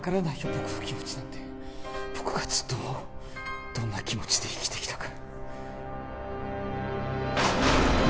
僕の気持ちなんて僕がずっとどんな気持ちで生きてきたか